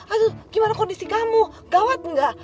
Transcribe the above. aduh gimana kondisi kamu gawat enggak